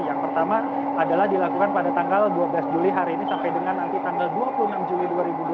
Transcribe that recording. yang pertama adalah dilakukan pada tanggal dua belas juli hari ini sampai dengan nanti tanggal dua puluh enam juli dua ribu dua puluh